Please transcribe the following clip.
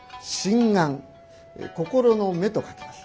心の眼と書きます。